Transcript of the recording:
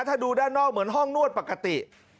ถ้าดูด้านนอกเหมือนห้องนวดปกติ